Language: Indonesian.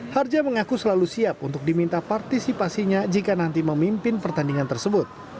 harja mengaku selalu siap untuk diminta partisipasinya jika nanti memimpin pertandingan tersebut